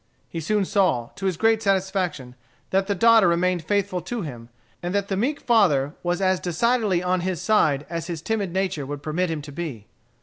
He soon saw, to his great satisfaction, that the daughter remained faithful to him, and that the meek father was as decidedly on his side as his timid nature would permit him to be.